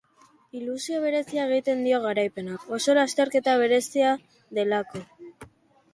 Ilusio berezia egiten dio garaipenak, oso lasterketa berezia delako.